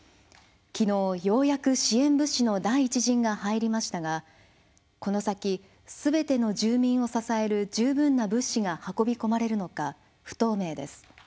昨日、ようやく支援物資の第１陣が入りましたがこの先、すべての住民を支える十分な物資が運び込まれるのか不透明です。